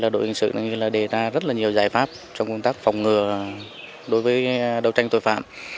đội hình sự đề ra rất nhiều giải pháp trong công tác phòng ngừa đối với đấu tranh tội phạm